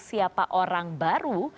siapa orang baru